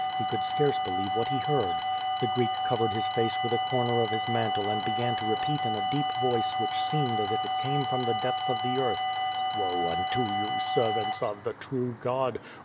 He could scarce believe what he heard. The Greek covered his face with a corner of his mantle and began to repeat in a deep voice, which seemed as if it came from the depths of the earth: "Woe unto you, servants of the true God.